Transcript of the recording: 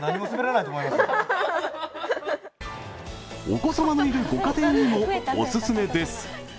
お子さまのいるご家庭にもお勧めです。